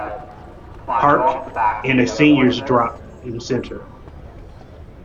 Park and a Seniors Drop In Centre.